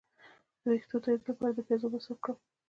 د ویښتو تویدو لپاره د پیاز اوبه څه کړم؟